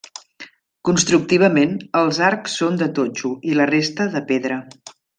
Constructivament, els arcs són de totxo i la resta, de pedra.